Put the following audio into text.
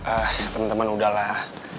ah temen temen udah lah